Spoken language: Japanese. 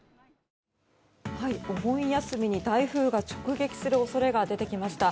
お盆休みに台風が直撃する恐れが出てきました。